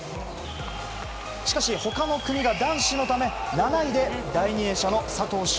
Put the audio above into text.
しかし、他の組が男子のため７位で第２泳者の佐藤翔